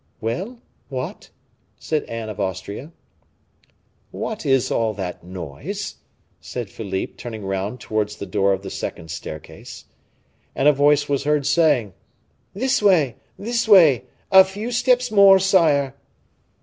"Well! what?" said Anne of Austria. "What is all that noise?" said Philippe, turning round towards the door of the second staircase. And a voice was heard saying, "This way, this way! A few steps more, sire!"